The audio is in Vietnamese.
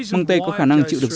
măng tây có khả năng chịu được z